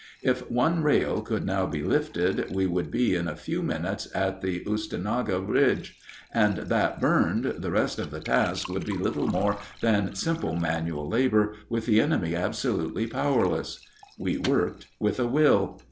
If one rail could now be lifted we would be in a few minutes at the Oostenaula bridge; and that burned, the rest of the task would be little more than simple manual labor, with the enemy absolutely powerless. We worked with a will.